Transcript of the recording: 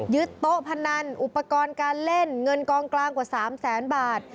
โต๊ะพนันอุปกรณ์การเล่นเงินกองกลางกว่า๓แสนบาท